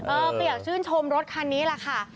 เอ่อก็คืออยากชื่นชมรถคันนี้ล่ะค่ะ